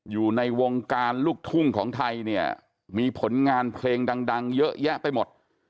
อยู่ในวงการลูกทุ่งของไทยเนี่ยมีผลงานเพลงดังเยอะแยะไปหมด